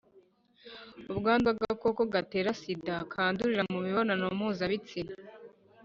Ubwandu bw ‘agakoko gatera sida kandurira mumibonano mpuza bitsina